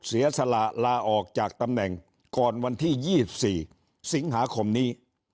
เสียสละลาออกจากตำแหน่งก่อนวันที่๒๔สิงหาคมนี้